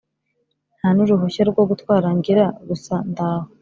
Nta nuruhushya rwogutwara ngira gusa ndaho